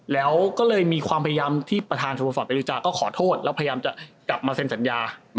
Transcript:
แล้วก็เลยประธานสะพาสตร์โปรดลูกจากรมก็จะพยายามกลับมาสื่นตอบสัญญา